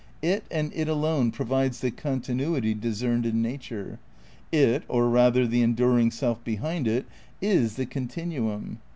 It and it alone provides the continuity discerned in nature. It, or rather the enduring self behind it, is the continuum.